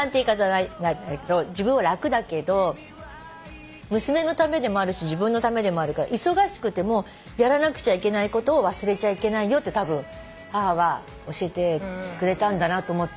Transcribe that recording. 自分は楽だけど娘のためでもあるし自分のためでもあるから忙しくてもやらなくちゃいけないことを忘れちゃいけないよってたぶん母は教えてくれたんだなと思って。